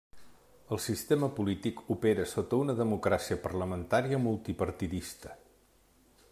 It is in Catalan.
El sistema polític opera sota una democràcia parlamentària multipartidista.